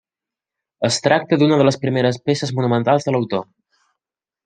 Es tracta d'una de les primeres peces monumentals de l'autor.